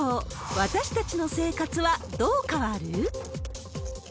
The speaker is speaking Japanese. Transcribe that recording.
私たちの生活はどう変わる？